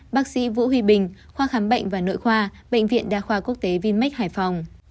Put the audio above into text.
bác sĩ vũ huy bình khoa khám bệnh và nội khoa bệnh viện đa khoa quốc tế vinmec hải phòng